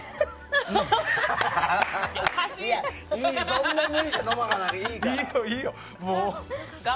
そんな無理して飲まなくていいから！